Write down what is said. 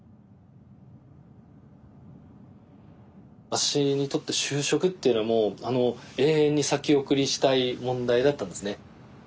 私にとって就職っていうのはもう永遠に先送りしたい問題だったんですね。